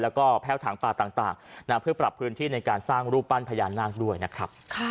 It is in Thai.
แล้วก็แพ้วถังปลาต่างนะเชื่อราบพื้นที่ในการสร้างรูปปั้นพยานนางด้วยค่ะ